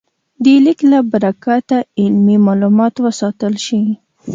د لیک له برکته علمي مالومات وساتل شول.